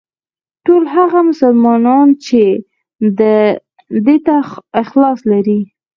ټول هغه مسلمانان چې ده ته اخلاص لري.